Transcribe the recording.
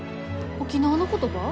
沖縄の言葉？